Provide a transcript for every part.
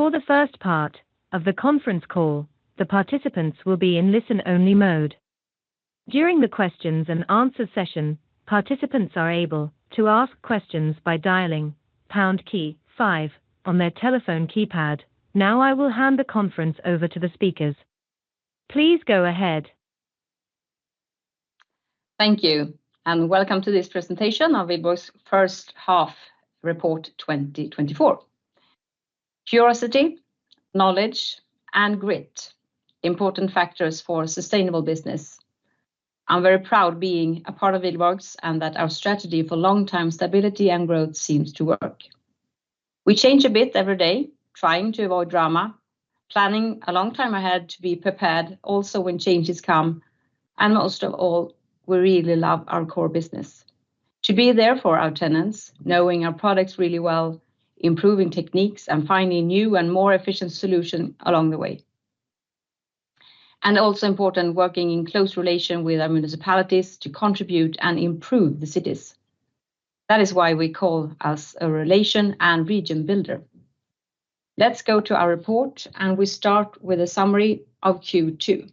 For the first part of the conference call, the participants will be in listen-only mode. During the questions and answers session, participants are able to ask questions by dialing pound key five on their telephone keypad. Now I will hand the conference over to the speakers. Please go ahead. Thank you, and welcome to this presentation of Wihlborgs First-Half Report 2024. Curiosity, knowledge, and grit, important factors for sustainable business. I'm very proud of being a part of Wihlborgs and that our strategy for long-term stability and growth seems to work. We change a bit every day, trying to avoid drama, planning a long time ahead to be prepared also when changes come, and most of all, we really love our core business. To be there for our tenants, knowing our products really well, improving techniques, and finding new and more efficient solutions along the way. Also important, working in close relation with our municipalities to contribute and improve the cities. That is why we call us a relation and region builder. Let's go to our report, and we start with a summary of Q2.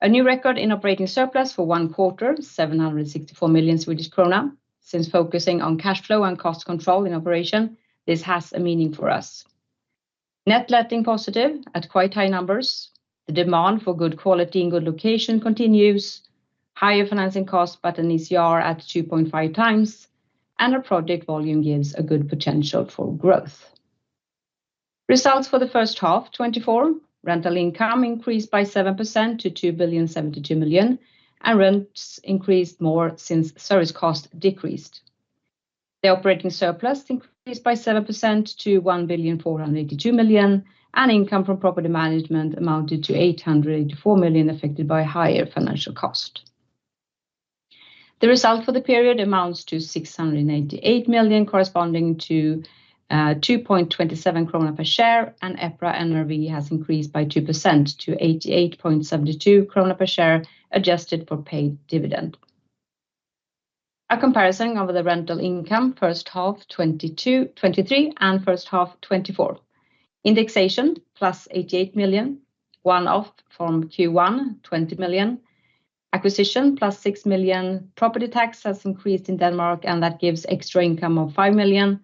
A new record in operating surplus for one quarter: 764 million Swedish krona. Since focusing on cash flow and cost control in operation, this has a meaning for us. Net letting positive at quite high numbers. The demand for good quality and good location continues. Higher financing costs but an ICR at 2.5x, and our project volume gives a good potential for growth. Results for the first half: 2024. Rental income increased by 7% to 2,072,000,000 billion, and rents increased more since service costs decreased. The operating surplus increased by 7% to 1,482,000,000 billion, and income from property management amounted to 804 million, affected by higher financial cost. The result for the period amounts to 688 million, corresponding to 2.27 krona per share, and EPRA NRV has increased by 2% to 88.72 krona per share, adjusted for paid dividend. A comparison over the rental income: first half 2023 and first half 2024. Indexation: +88 million. One-off from Q1: 20 million. Acquisition: +6 million. Property tax has increased in Denmark, and that gives extra income of 5 million.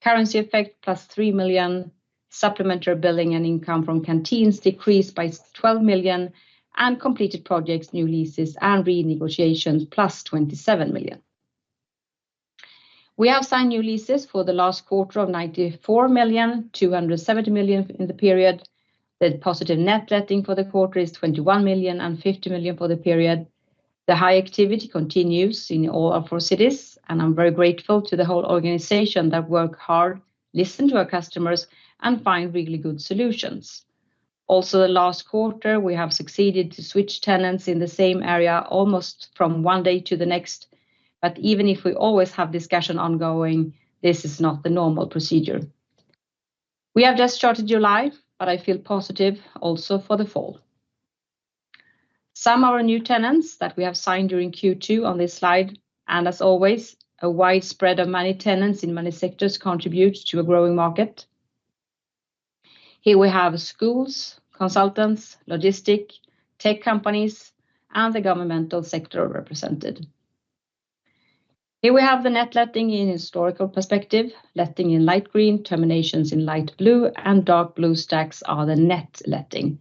Currency effect: +3 million. Supplementary billing and income from canteens decreased by 12 million, and completed projects, new leases, and renegotiations: +27 million. We have signed new leases for the last quarter of 94 million-270 million in the period. The positive net letting for the quarter is 21 million and 50 million for the period. The high activity continues in all our four cities, and I'm very grateful to the whole organization that works hard, listens to our customers, and finds really good solutions. Also, the last quarter, we have succeeded to switch tenants in the same area almost from one day to the next, but even if we always have discussions ongoing, this is not the normal procedure. We have just started July, but I feel positive also for the fall. Some of our new tenants that we have signed during Q2 on this slide, and as always, a wide spread of many tenants in many sectors contributes to a growing market. Here we have schools, consultants, logistics, tech companies, and the governmental sector represented. Here we have the net letting in historical perspective. Letting in light green, terminations in light blue, and dark blue stacks are the net letting.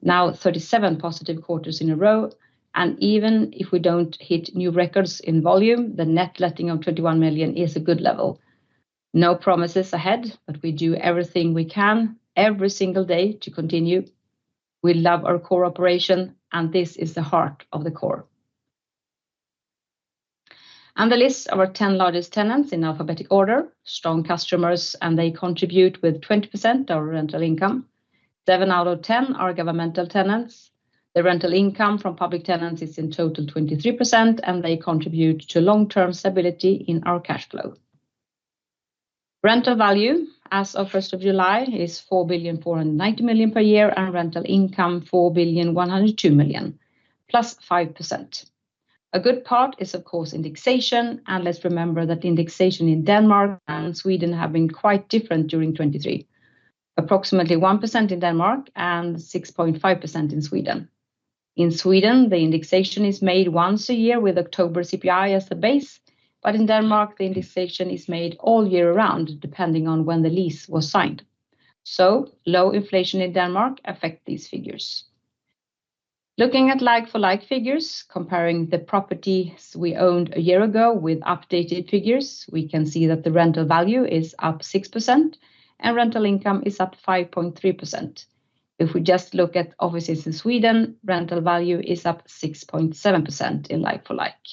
Now 37 positive quarters in a row, and even if we don't hit new records in volume, the net letting of 21 million is a good level. No promises ahead, but we do everything we can, every single day, to continue. We love our core operation, and this is the heart of the core. The list of our 10 largest tenants in alphabetic order: strong customers, and they contribute with 20% of our rental income. Seven out of 10 are governmental tenants. The rental income from public tenants is in total 23%, and they contribute to long-term stability in our cash flow. Rental value, as of 1st July, is 4,490,000,000 billion per year, and rental income 4,102,000,000 billion, +5%. A good part is, of course, indexation, and let's remember that indexation in Denmark and Sweden has been quite different during 2023. Approximately 1% in Denmark and 6.5% in Sweden. In Sweden, the indexation is made once a year with October CPI as the base, but in Denmark, the indexation is made all year round depending on when the lease was signed. So, low inflation in Denmark affects these figures. Looking at like-for-like figures, comparing the properties we owned a year ago with updated figures, we can see that the rental value is up 6%, and rental income is up 5.3%. If we just look at offices in Sweden, rental value is up 6.7% in like-for-like.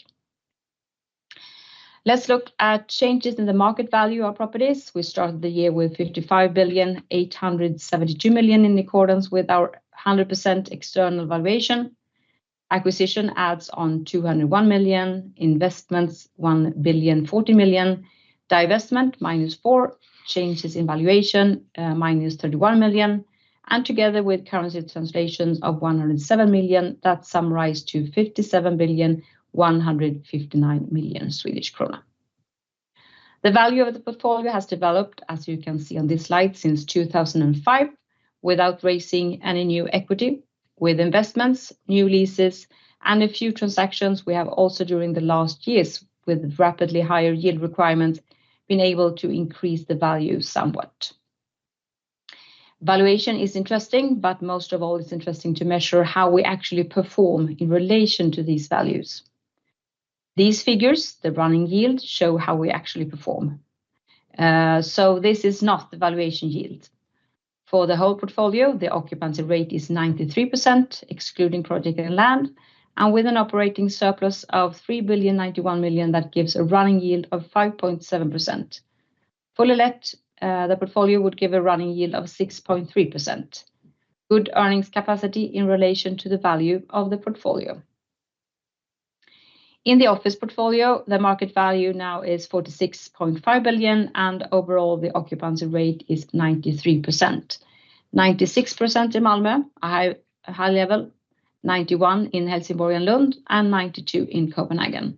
Let's look at changes in the market value of our properties. We started the year with 55,872,000,000 billion in accordance with our 100% external valuation. Acquisition adds on 201 million, investments 1,040,000,000 billion, divestment -4 million, changes in valuation -31 million, and together with currency translations of 107 million, that summarized to 57,159,000,000 billion. The value of the portfolio has developed, as you can see on this slide, since 2005, without raising any new equity. With investments, new leases, and a few transactions we have also during the last years with rapidly higher yield requirements, we've been able to increase the value somewhat. Valuation is interesting, but most of all, it's interesting to measure how we actually perform in relation to these values. These figures, the running yield, show how we actually perform. So, this is not the valuation yield. For the whole portfolio, the occupancy rate is 93%, excluding project and land, and with an operating surplus of 3,091,000,000 billion, that gives a running yield of 5.7%. Fully let, the portfolio would give a running yield of 6.3%. Good earnings capacity in relation to the value of the portfolio. In the office portfolio, the market value now is 46.5 billion, and overall, the occupancy rate is 93%. 96% in Malmö, a high level, 91% in Helsingborg and Lund, and 92% in Copenhagen.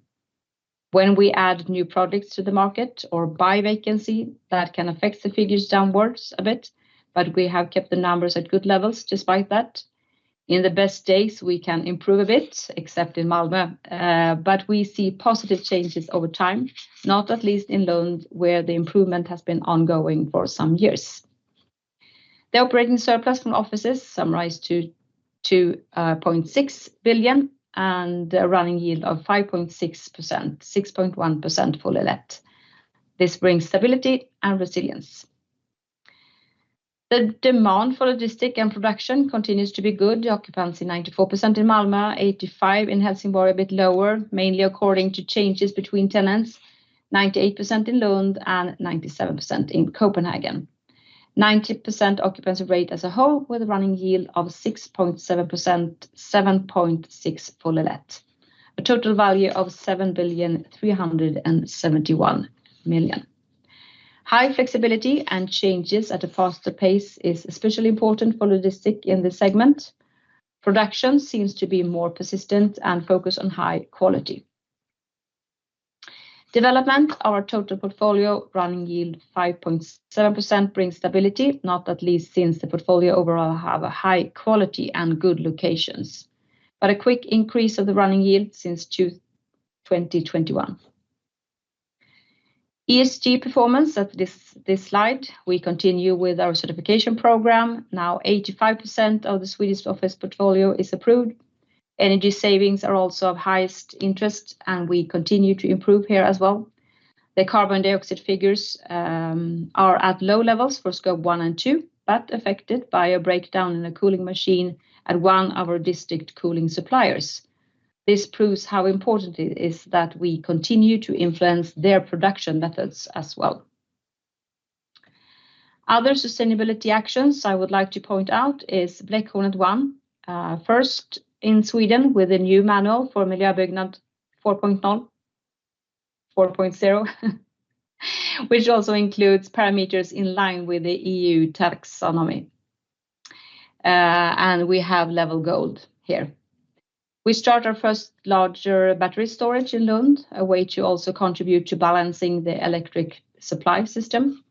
When we add new projects to the market or buy vacancy, that can affect the figures downwards a bit, but we have kept the numbers at good levels despite that. In the best days, we can improve a bit, except in Malmö, but we see positive changes over time, not at least in Lund, where the improvement has been ongoing for some years. The operating surplus from offices summarized to 2.6 billion and a running yield of 5.6%, 6.1% fully let. This brings stability and resilience. The demand for logistics and production continues to be good. Occupancy 94% in Malmö, 85% in Helsingborg, a bit lower, mainly according to changes between tenants, 98% in Lund and 97% in Copenhagen. 90% occupancy rate as a whole with a running yield of 6.7%, 7.6% fully let. A total value of 7,371,000,000 billion. High flexibility and changes at a faster pace is especially important for logistics in this segment. Production seems to be more persistent and focused on high quality. Development of our total portfolio, running yield 5.7%, brings stability, not at least since the portfolio overall has high quality and good locations, but a quick increase of the running yield since 2021. ESG performance at this slide. We continue with our certification program. Now 85% of the Swedish office portfolio is approved. Energy savings are also of highest interest, and we continue to improve here as well. The carbon dioxide figures are at low levels for Scope one and two, but affected by a breakdown in a cooling machine at one of our district cooling suppliers. This proves how important it is that we continue to influence their production methods as well. Other sustainability actions I would like to point out are Blekhornet 1, first in Sweden with a new manual for Miljöbyggnad 4.0, which also includes parameters in line with the EU taxonomy. We have gold level here. We start our first larger battery storage in Lund, a way to also contribute to balancing the electric supply system.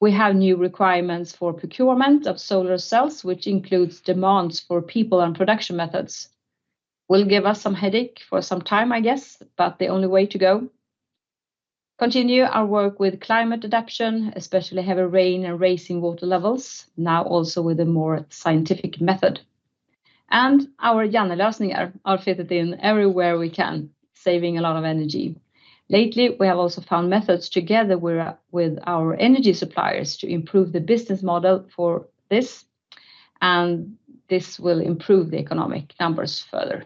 We have new requirements for procurement of solar cells, which includes demands for people and production methods. Will give us some headache for some time, I guess, but the only way to go. Continue our work with climate adaptation, especially heavy rain and rising water levels, now also with a more scientific method. And our geolösningar are fitted in everywhere we can, saving a lot of energy. Lately, we have also found methods to get away with our energy suppliers to improve the business model for this, and this will improve the economic numbers further.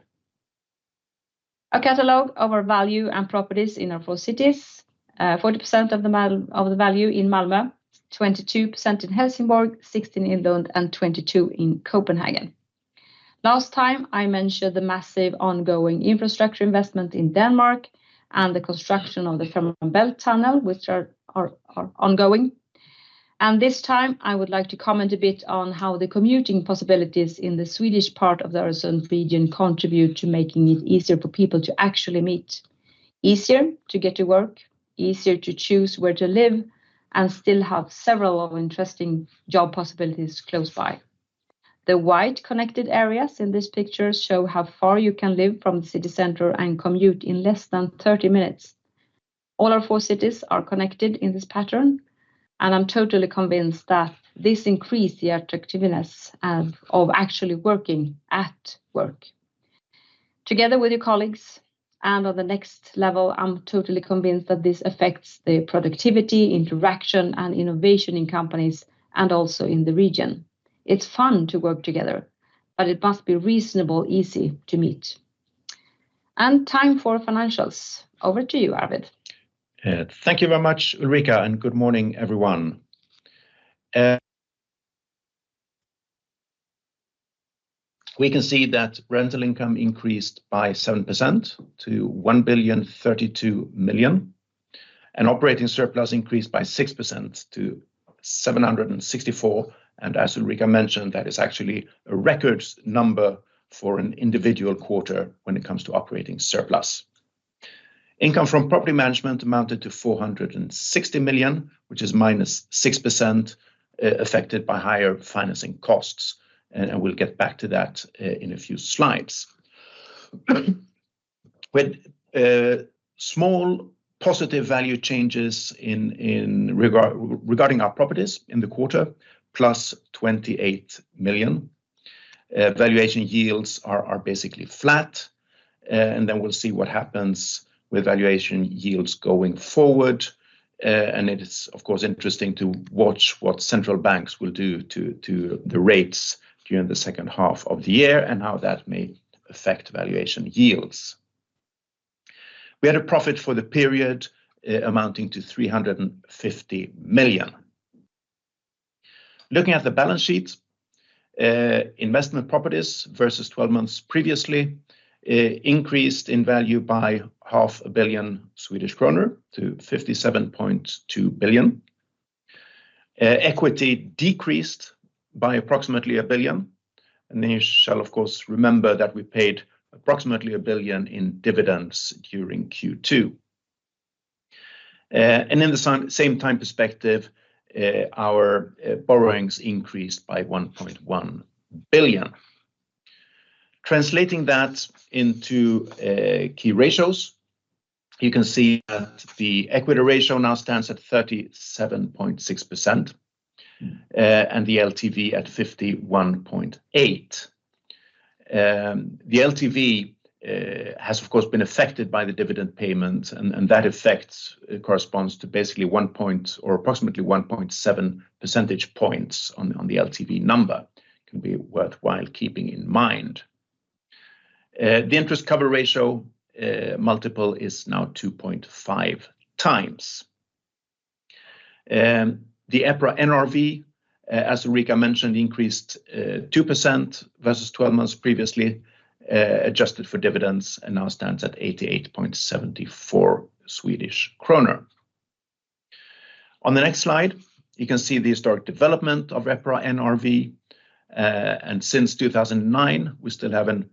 A catalog of our value and properties in our four cities: 40% of the value in Malmö, 22% in Helsingborg, 16% in Lund, and 22% in Copenhagen. Last time, I mentioned the massive ongoing infrastructure investment in Denmark and the construction of the Fehmarnbelt tunnel, which are ongoing. And this time, I would like to comment a bit on how the commuting possibilities in the Swedish part of the Öresund region contribute to making it easier for people to actually meet, easier to get to work, easier to choose where to live, and still have several interesting job possibilities close by. The white connected areas in this picture show how far you can live from the city center and commute in less than 30 minutes. All our four cities are connected in this pattern, and I'm totally convinced that this increases the attractiveness of actually working at work. Together with your colleagues and on the next level, I'm totally convinced that this affects the productivity, interaction, and innovation in companies and also in the region. It's fun to work together, but it must be reasonably easy to meet. And time for financials. Over to you, Arvid. Thank you very much, Ulrika, and good morning, everyone. We can see that rental income increased by 7% to 1,032,000,000 billion, and operating surplus increased by 6% to 764 million. As Ulrika mentioned, that is actually a record number for an individual quarter when it comes to operating surplus. Income from property management amounted to 460 million, which is -6%, affected by higher financing costs, and we'll get back to that in a few slides. With small positive value changes regarding our properties in the quarter, +28 million, valuation yields are basically flat, and then we'll see what happens with valuation yields going forward. It is, of course, interesting to watch what central banks will do to the rates during the second half of the year and how that may affect valuation yields. We had a profit for the period amounting to 350 million. Looking at the balance sheet, investment properties versus 12 months previously increased in value by 500 million-57.2 billion Swedish kronor. Equity decreased by approximately 1 billion. You shall, of course, remember that we paid approximately 1 billion in dividends during Q2. In the same time perspective, our borrowings increased by 1.1 billion. Translating that into key ratios, you can see that the equity ratio now stands at 37.6% and the LTV at 51.8%. The LTV has, of course, been affected by the dividend payments, and that effect corresponds to basically one point or approximately 1.7 percentage points on the LTV number. It can be worthwhile keeping in mind. The interest cover ratio multiple is now 2.5x. The EPRA NRV, as Ulrika mentioned, increased 2% versus 12 months previously, adjusted for dividends, and now stands at 88.74 Swedish kronor. On the next slide, you can see the historic development of EPRA NRV. Since 2009, we still have an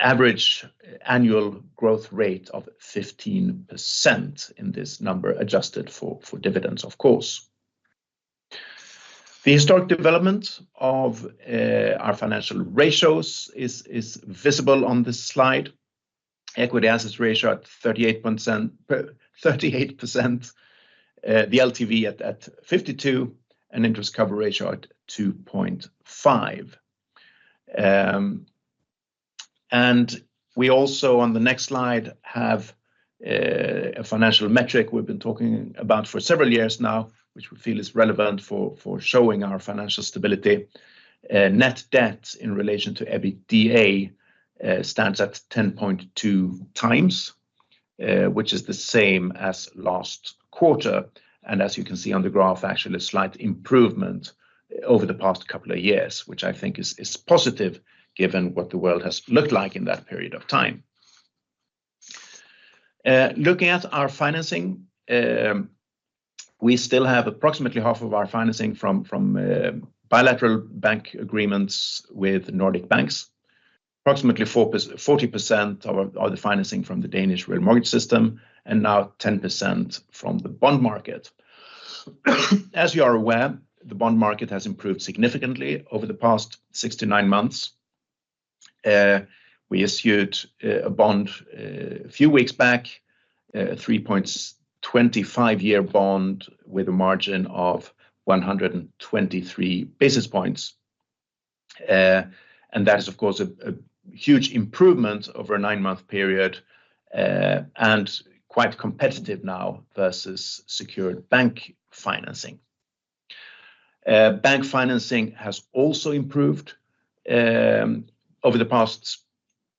average annual growth rate of 15% in this number, adjusted for dividends, of course. The historic development of our financial ratios is visible on this slide. Equity assets ratio at 38%, the LTV at 52%, and interest cover ratio at 2.5x. We also, on the next slide, have a financial metric we've been talking about for several years now, which we feel is relevant for showing our financial stability. Net debt in relation to EBITDA stands at 10.2x, which is the same as last quarter. As you can see on the graph, actually a slight improvement over the past couple of years, which I think is positive given what the world has looked like in that period of time. Looking at our financing, we still have approximately half of our financing from bilateral bank agreements with Nordic banks. Approximately 40% of the financing from the Danish real mortgage system and now 10% from the bond market. As you are aware, the bond market has improved significantly over the past six to nine months. We issued a bond a few weeks back, a 3.25-year bond with a margin of 123 basis points. That is, of course, a huge improvement over a nine-month period and quite competitive now versus secured bank financing. Bank financing has also improved over the past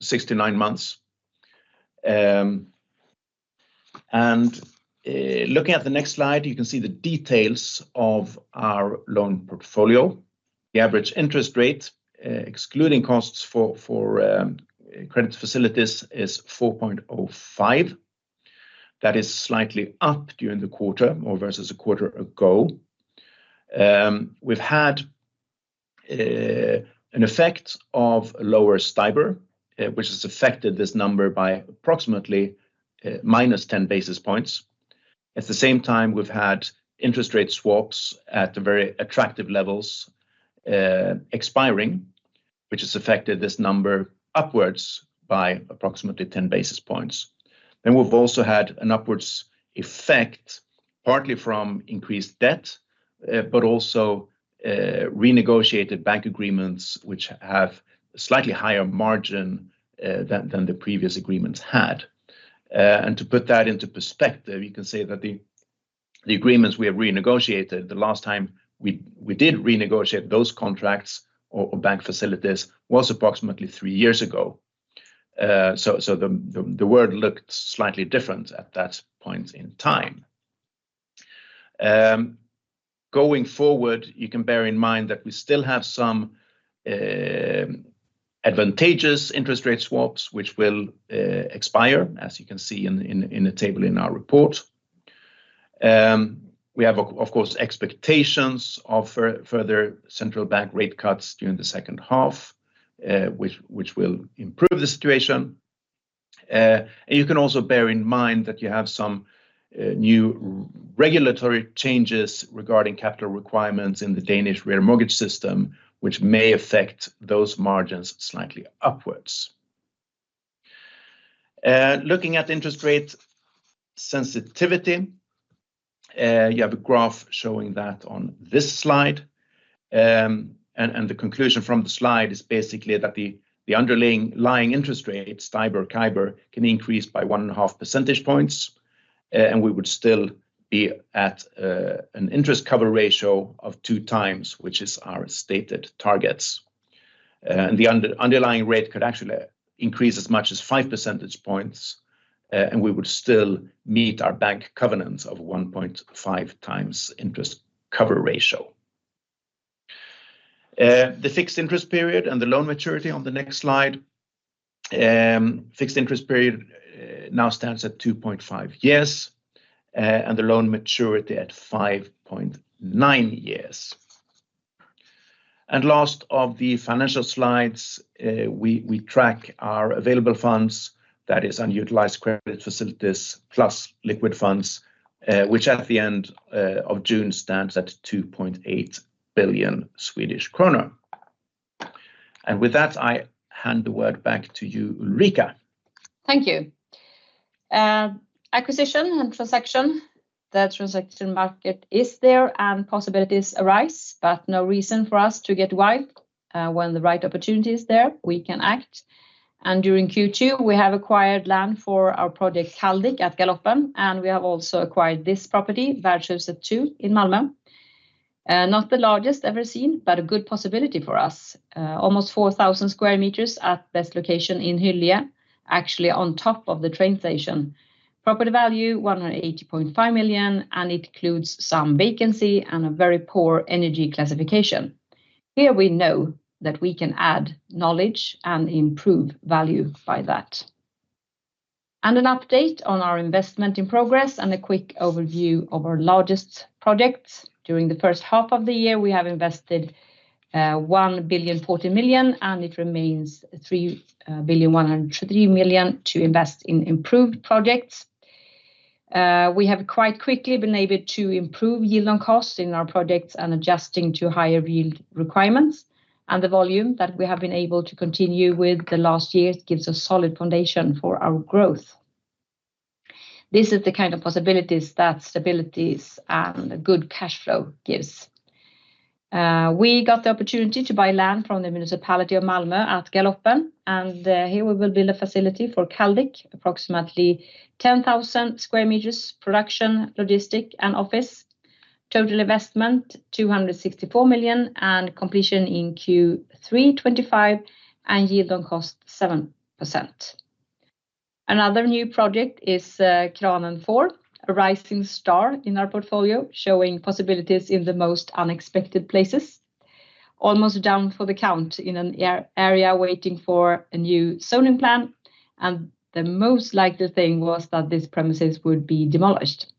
six to nine months. Looking at the next slide, you can see the details of our loan portfolio. The average interest rate, excluding costs for credit facilities, is 4.05%. That is slightly up during the quarter versus a quarter ago. We've had an effect of lower STIBOR, which has affected this number by approximately -10 basis points. At the same time, we've had interest rate swaps at very attractive levels expiring, which has affected this number upwards by approximately 10 basis points. Then we've also had an upwards effect, partly from increased debt, but also renegotiated bank agreements, which have a slightly higher margin than the previous agreements had. To put that into perspective, you can say that the agreements we have renegotiated, the last time we did renegotiate those contracts or bank facilities was approximately three years ago. So the world looked slightly different at that point in time. Going forward, you can bear in mind that we still have some advantageous interest rate swaps, which will expire, as you can see in the table in our report. We have, of course, expectations of further central bank rate cuts during the second half, which will improve the situation. You can also bear in mind that you have some new regulatory changes regarding capital requirements in the Danish real mortgage system, which may affect those margins slightly upwards. Looking at interest rate sensitivity, you have a graph showing that on this slide. The conclusion from the slide is basically that the underlying interest rate, STIBOR, can increase by 1.5 percentage points, and we would still be at an interest cover ratio of 2x, which is our stated targets. The underlying rate could actually increase as much as 5 percentage points, and we would still meet our bank covenants of 1.5x interest cover ratio. The fixed interest period and the loan maturity on the next slide. Fixed interest period now stands at 2.5 years, and the loan maturity at 5.9 years. Last of the financial slides, we track our available funds, that is, unutilized credit facilities plus liquid funds, which at the end of June stands at 2.8 billion Swedish kronor. With that, I hand the word back to you, Ulrika. Thank you. Acquisition and transaction. The transaction market is there and possibilities arise, but no reason for us to get wild. When the right opportunity is there, we can act. During Q2, we have acquired land for our project Källdiket at Galoppen, and we have also acquired this property, Värdshuset 2 in Malmö. Not the largest ever seen, but a good possibility for us. Almost 4,000 square meters at best location in Hyllie, actually on top of the train station. Property value 180.5 million, and it includes some vacancy and a very poor energy classification. Here we know that we can add knowledge and improve value by that. An update on our investment in progress and a quick overview of our largest projects. During the first half of the year, we have invested 1,040,000,000 billion, and it remains 3,103,000,000 billion to invest in improved projects. We have quite quickly been able to improve yield on costs in our projects and adjusting to higher yield requirements. The volume that we have been able to continue with the last year gives a solid foundation for our growth. This is the kind of possibilities that stabilities and good cash flow gives. We got the opportunity to buy land from the municipality of Malmö at Galoppen, and here we will build a facility for Källdiket, approximately 10,000 square meters, production, logistics, and office. Total investment 264 million and completion in Q3 2025 and yield on cost 7%. Another new project is Kranen 4, a rising star in our portfolio, showing possibilities in the most unexpected places. Almost down for the count in an area waiting for a new zoning plan, and the most likely thing was that these premises would be demolished.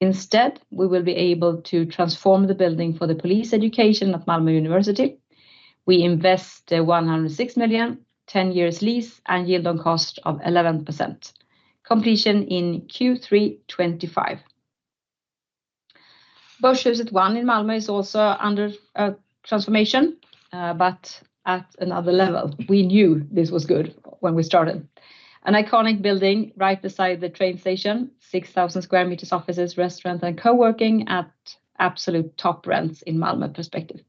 Instead, we will be able to transform the building for the police education at Malmö University. We invest 106 million, 10 years lease, and yield on cost of 11%. Completion in Q3 2025. Börshuset 1 in Malmö is also under transformation, but at another level. We knew this was good when we started. An iconic building right beside the train station, 6,000 square meters offices, restaurant, and co-working at absolute top rents in Malmö perspective.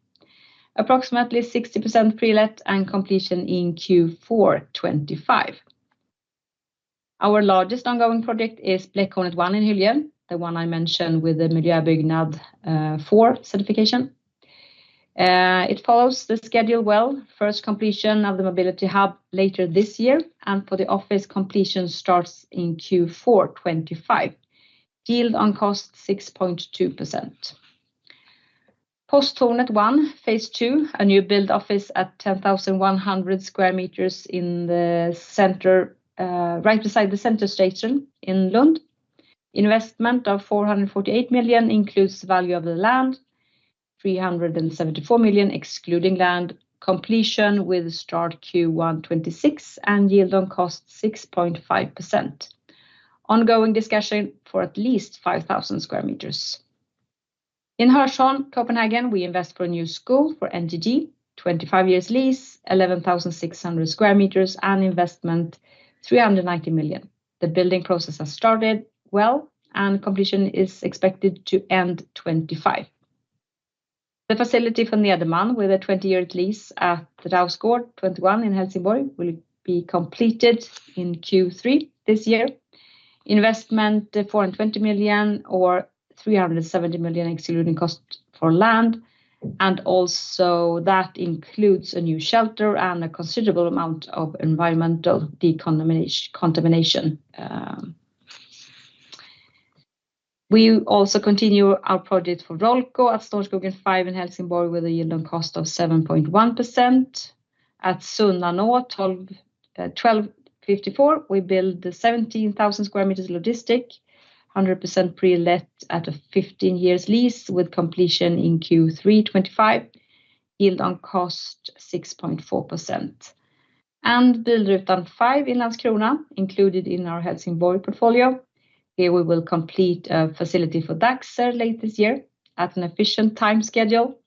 Approximately 60% pre-let and completion in Q4 2025. Our largest ongoing project is Blekhornet 1 in Hyllie, the one I mentioned with the Miljöbyggnad 4 certification. It follows the schedule well. First completion of the mobility hub later this year, and for the office completion starts in Q4 2025. Yield on cost 6.2%. Posthornet 1, phase II, a new build office at 10,100 square meters in the center, right beside the center station in Lund. Investment of 448 million includes value of the land, 374 million excluding land. Completion with start Q1 2026 and yield on cost 6.5%. Ongoing discussion for at least 5,000 square meters. In Hørsholm, Copenhagen, we invest for a new school for NGG, 25 years lease, 11,600 square meters and investment 390 million. The building process has started well, and completion is expected to end 2025. The facility for Nederman with a 20-year lease at Rausgård 21 in Helsingborg will be completed in Q3 this year. Investment 420 million or 370 million excluding cost for land, and also that includes a new shelter and a considerable amount of environmental decontamination. We also continue our project for Rollco at Storskogen 5 in Helsingborg with a yield on cost of 7.1%. At Sunnanå 1254, we build the 17,000 square meters logistic, 100% pre-let at a 15 years lease with completion in Q3 2025, yield on cost 6.4%. Bildrutan 5 in Landskrona, included in our Helsingborg portfolio. Here we will complete a facility for Dachser late this year at an efficient time schedule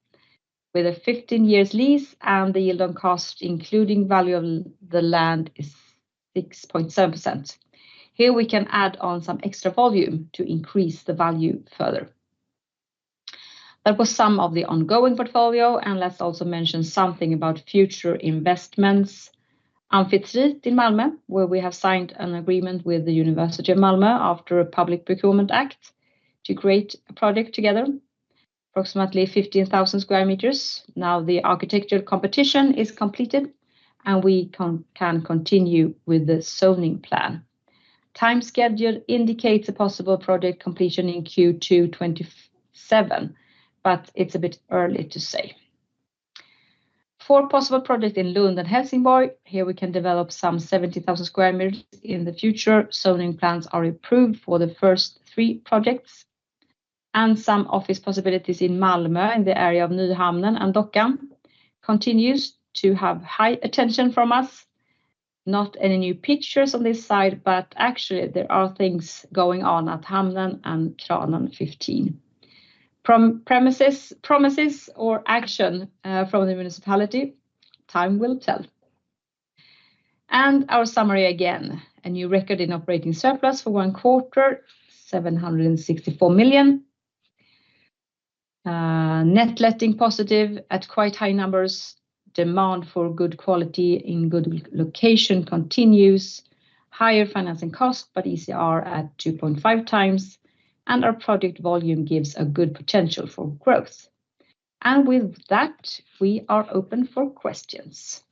with a 15 years lease and the yield on cost including value of the land is 6.7%. Here we can add on some extra volume to increase the value further. That was some of the ongoing portfolio, and let's also mention something about future investments. Amphitrite in Malmö, where we have signed an agreement with Malmö University after a Public Procurement Act to create a project together. Approximately 15,000 square meters. Now the architectural competition is completed, and we can continue with the zoning plan. Time schedule indicates a possible project completion in Q2 2027, but it's a bit early to say. Four possible projects in Lund and Helsingborg. Here we can develop some 70,000 square meters in the future. Zoning plans are approved for the first three projects. Some office possibilities in Malmö in the area of Nyhamnen and Dockan continues to have high attention from us. Not any new pictures on this side, but actually there are things going on at Nyhamnen and Kranen 15. Promises or action from the municipality? Time will tell. Our summary again. A new record in operating surplus for one quarter, 764 million. Net letting positive at quite high numbers. Demand for good quality in good location continues. Higher financing costs, but ICR at 2.5x. Our project volume gives a good potential for growth. With that, we are open for questions.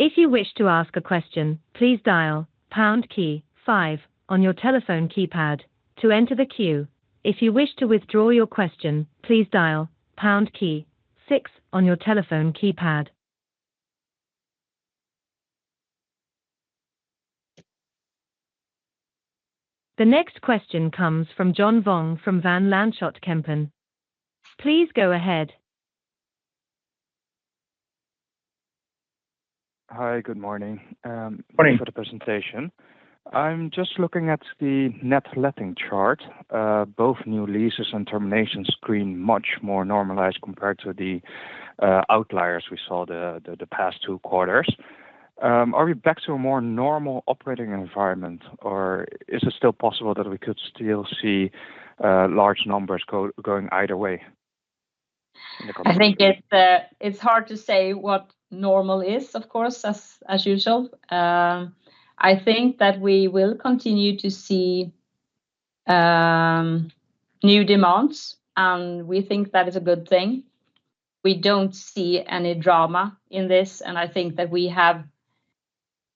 If you wish to ask a question, please dial pound key five on your telephone keypad to enter the queue. If you wish to withdraw your question, please dial pound key six on your telephone keypad. The next question comes from John Vuong from Van Lanschot Kempen. Please go ahead. Hi, good morning. Thanks for the presentation. I'm just looking at the net letting chart. Both new leases and terminations seem much more normalized compared to the outliers we saw the past two quarters. Are we back to a more normal operating environment, or is it still possible that we could still see large numbers going either way? I think it's hard to say what normal is, of course, as usual. I think that we will continue to see new demands, and we think that is a good thing. We don't see any drama in this, and I think that we have,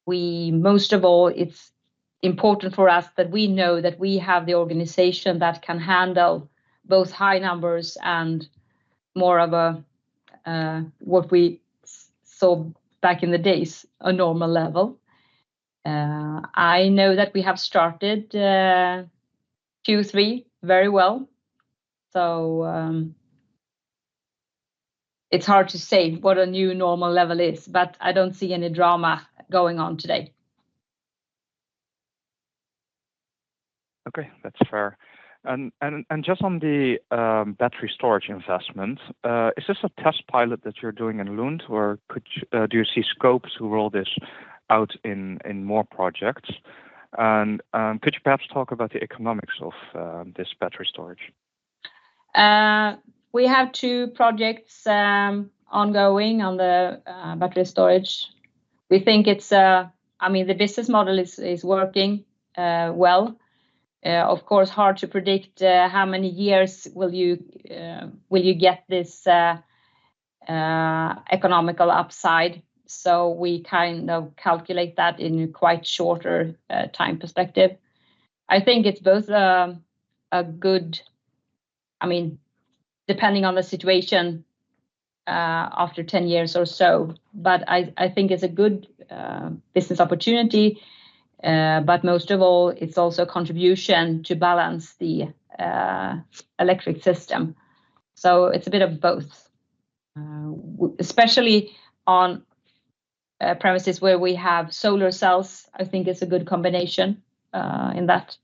most of all, it's important for us that we know that we have the organization that can handle both high numbers and more of what we saw back in the days, a normal level. I know that we have started Q3 very well. So it's hard to say what a new normal level is, but I don't see any drama going on today. Okay, that's fair. And just on the battery storage investments, is this a test pilot that you're doing in Lund, or do you see scopes to roll this out in more projects? And could you perhaps talk about the economics of this battery storage? We have two projects ongoing on the battery storage. We think it's, I mean, the business model is working well. Of course, hard to predict how many years will you get this economical upside. So we kind of calculate that in a quite shorter time perspective. I think it's both a good, I mean, depending on the situation after 10 years or so, but I think it's a good business opportunity. But most of all, it's also a contribution to balance the electric system. So it's a bit of both. Especially on premises where we have solar cells, I think it's a good combination in that.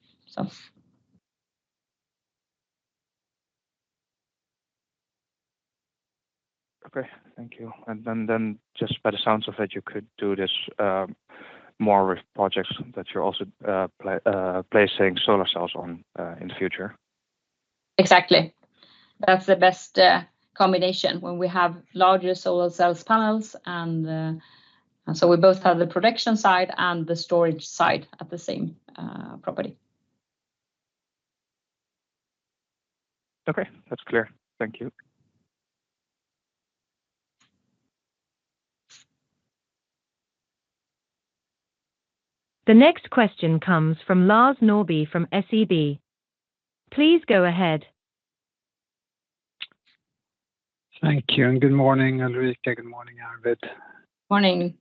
Okay, thank you. And then just by the sounds of it, you could do this more with projects that you're also placing solar cells on in the future. Exactly. That's the best combination when we have larger solar cells panels. And so we both have the production side and the storage side at the same property. Okay, that's clear. Thank you. The next question comes from Lars Norrby from SEB. Please go ahead. Thank you. And good morning, Ulrika. Good morning, Arvid. Morning.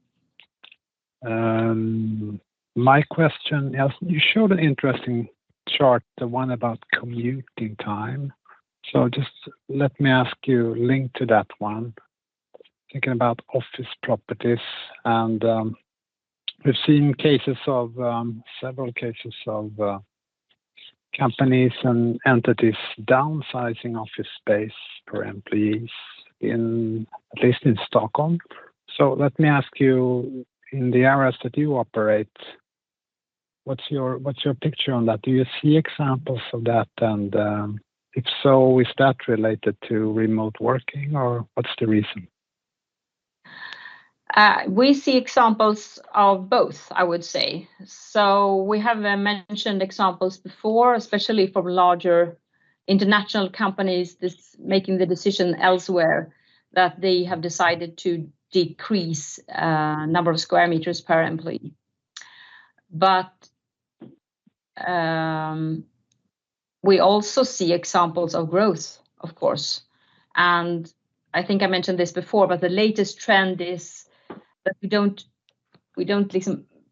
My question is, you showed an interesting chart, the one about commuting time. So just let me ask you link to that one. Thinking about office properties, and we've seen cases of several cases of companies and entities downsizing office space for employees, at least in Stockholm. So let me ask you, in the areas that you operate, what's your picture on that? Do you see examples of that? And if so, is that related to remote working, or what's the reason? We see examples of both, I would say. So we have mentioned examples before, especially for larger international companies making the decision elsewhere that they have decided to decrease the number of square meters per employee. But we also see examples of growth, of course. And I think I mentioned this before, but the latest trend is that we don't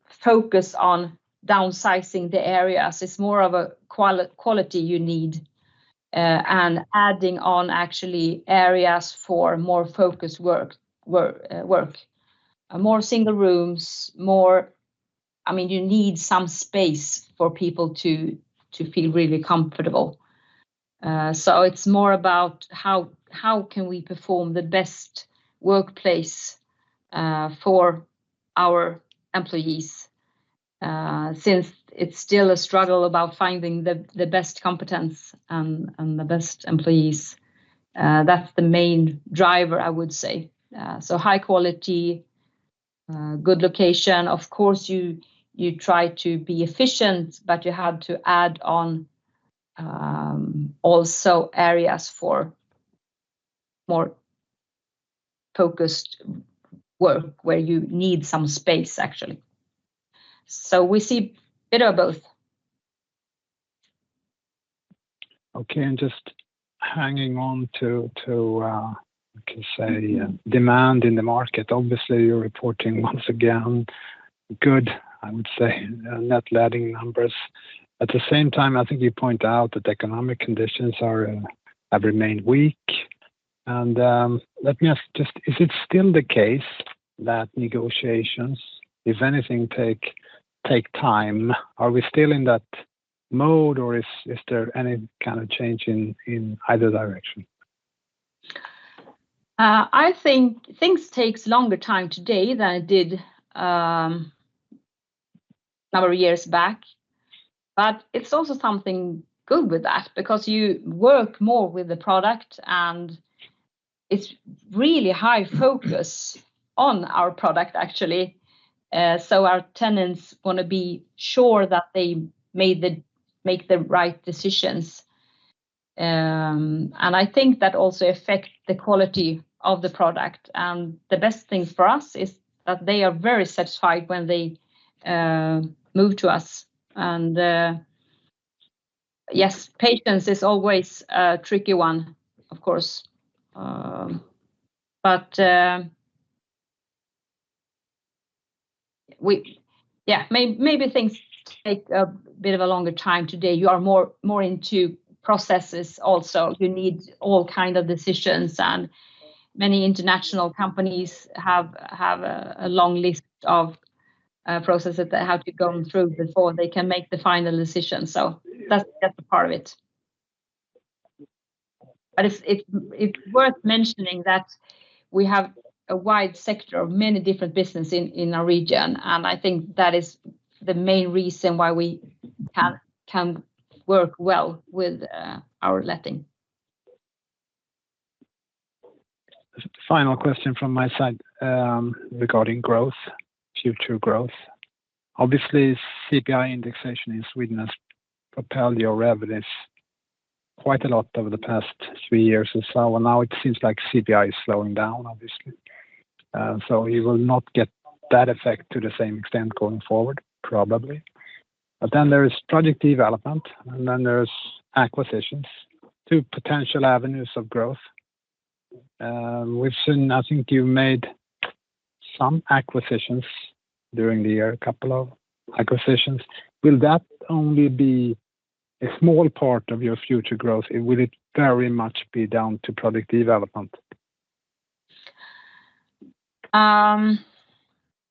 focus on downsizing the areas. It's more of a quality you need and adding on actually areas for more focused work. More single rooms, more, I mean, you need some space for people to feel really comfortable. So it's more about how can we perform the best workplace for our employees since it's still a struggle about finding the best competence and the best employees. That's the main driver, I would say. So high quality, good location. Of course, you try to be efficient, but you have to add on also areas for more focused work where you need some space, actually. So we see a bit of both. Okay, and just hanging on to, I can say, demand in the market. Obviously, you're reporting once again good, I would say, net letting numbers. At the same time, I think you point out that economic conditions have remained weak. And let me ask just, is it still the case that negotiations, if anything, take time? Are we still in that mode, or is there any kind of change in either direction? I think things take longer time today than it did a number of years back. But it's also something good with that because you work more with the product, and it's really high focus on our product, actually. So our tenants want to be sure that they make the right decisions. And I think that also affects the quality of the product. And the best thing for us is that they are very satisfied when they move to us. And yes, patience is always a tricky one, of course. But yeah, maybe things take a bit of a longer time today. You are more into processes also. You need all kinds of decisions. And many international companies have a long list of processes that have to go through before they can make the final decision. So that's a part of it. But it's worth mentioning that we have a wide sector of many different businesses in our region. I think that is the main reason why we can work well with our letting. Final question from my side regarding growth, future growth. Obviously, CPI indexation in Sweden has propelled your revenues quite a lot over the past three years or so. Now it seems like CPI is slowing down, obviously. So you will not get that effect to the same extent going forward, probably. But then there is project development, and then there are acquisitions, two potential avenues of growth. We've seen, I think you made some acquisitions during the year, a couple of acquisitions. Will that only be a small part of your future growth, or will it very much be down to project development?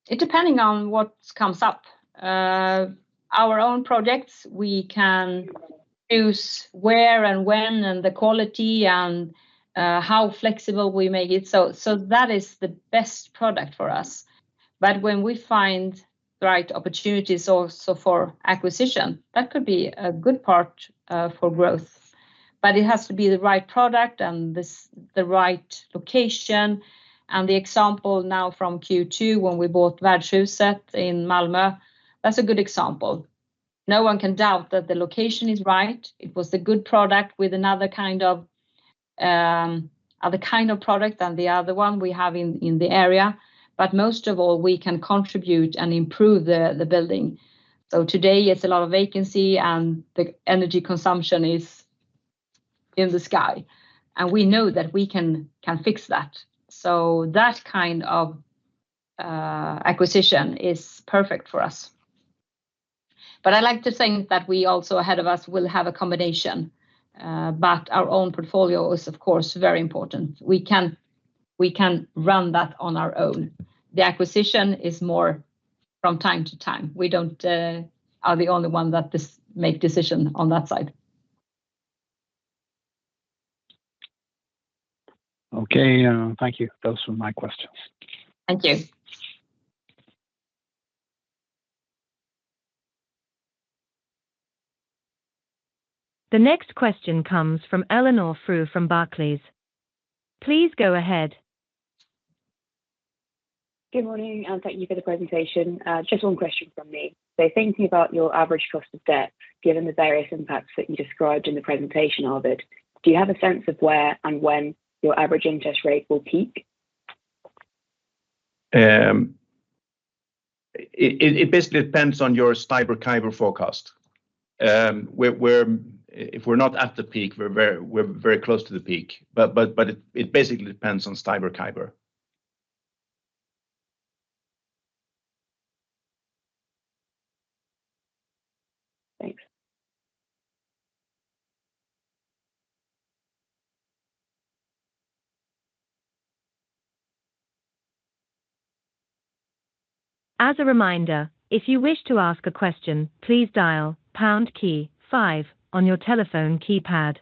It depends on what comes up. Our own projects, we can choose where and when and the quality and how flexible we make it. So that is the best product for us. But when we find the right opportunities also for acquisition, that could be a good part for growth. But it has to be the right product and the right location. And the example now from Q2 when we bought Värdshuset in Malmö, that's a good example. No one can doubt that the location is right. It was a good product with another kind of product than the other one we have in the area. But most of all, we can contribute and improve the building. So today, it's a lot of vacancy, and the energy consumption is in the sky. And we know that we can fix that. So that kind of acquisition is perfect for us. But I like to think that we also, ahead of us, will have a combination. But our own portfolio is, of course, very important. We can run that on our own. The acquisition is more from time to time. We are the only ones that make decisions on that side. Okay, thank you. Those were my questions. Thank you. The next question comes from Eleni Freer from Barclays. Please go ahead. Good morning, and thank you for the presentation. Just one question from me. So thinking about your average cost of debt, given the various impacts that you described in the presentation of it, do you have a sense of where and when your average interest rate will peak? It basically depends on your STIBOR curve forecast. If we're not at the peak, we're very close to the peak. But it basically depends on STIBOR curve. Thanks. As a reminder, if you wish to ask a question, please dial pound key five on your telephone keypad.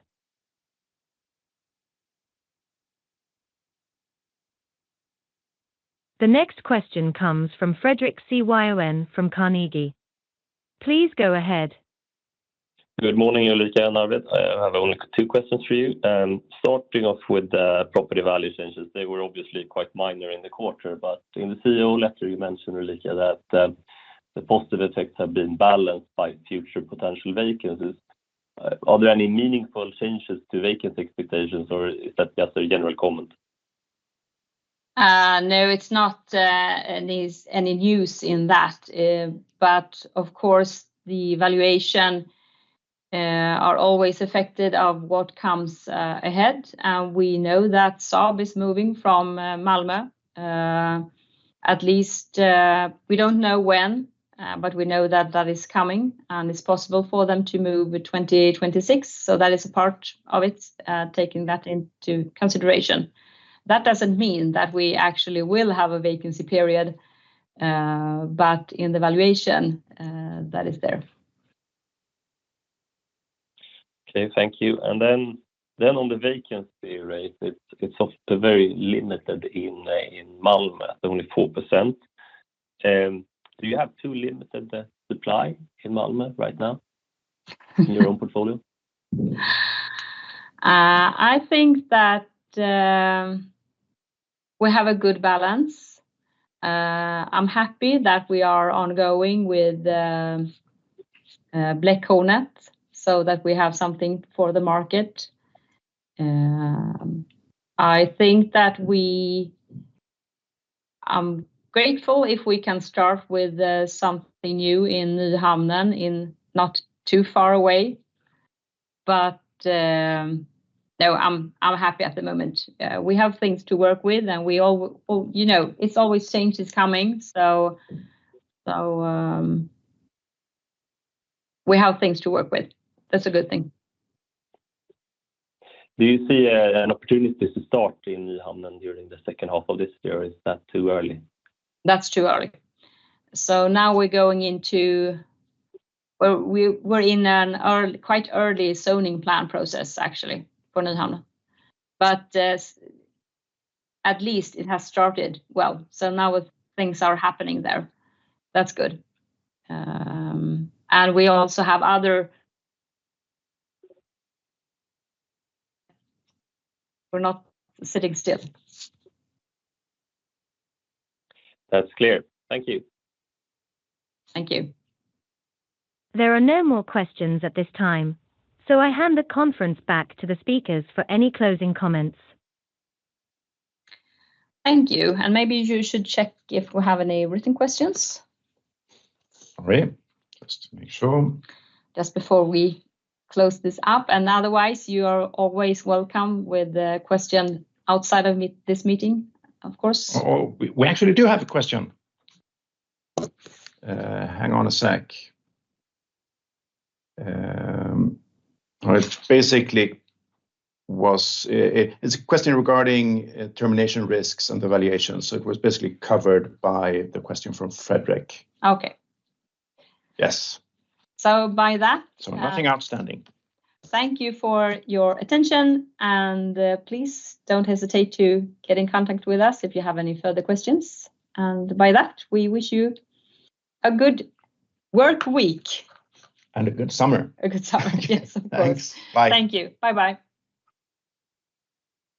The next question comes from Fredric Cyon from Carnegie. Please go ahead. Good morning, Ulrika. I have only two questions for you. Starting off with the property value changes, they were obviously quite minor in the quarter. In the CEO letter, you mentioned, Ulrika, that the positive effects have been balanced by future potential vacancies. Are there any meaningful changes to vacancy expectations, or is that just a general comment? No, it's not any news in that. Of course, the valuations are always affected by what comes ahead. We know that Saab is moving from Malmö. At least we don't know when, but we know that that is coming. It's possible for them to move in 2026. That is a part of it, taking that into consideration. That doesn't mean that we actually will have a vacancy period, but in the valuation, that is there. Okay, thank you. And then on the vacancy rate, it's often very limited in Malmö, only 4%. Do you have too limited supply in Malmö right now in your own portfolio? I think that we have a good balance. I'm happy that we are ongoing with Blekhornet so that we have something for the market. I think that I'm grateful if we can start with something new in Nyhamnen, not too far away. But no, I'm happy at the moment. We have things to work with, and it's always changes coming. So we have things to work with. That's a good thing. Do you see an opportunity to start in Nyhamnen during the second half of this year? Is that too early? That's too early. So now we're going into, well, we're in a quite early zoning plan process, actually, for Nyhamnen. But at least it has started well. So now things are happening there. That's good. And we also have other, we're not sitting still. That's clear. Thank you. Thank you. There are no more questions at this time. So I hand the conference back to the speakers for any closing comments. Thank you. And maybe you should check if we have any written questions. All right. Just to make sure. Just before we close this up. And otherwise, you are always welcome with a question outside of this meeting, of course. We actually do have a question. Hang on a sec. It's a question regarding termination risks and the valuation. So it was basically covered by the question from Fredrik. Okay. Yes. So by that. So nothing outstanding. Thank you for your attention. Please don't hesitate to get in contact with us if you have any further questions. By that, we wish you a good work week. A good summer. A good summer. Yes, of course. Thanks. Bye. Thank you. Bye-bye.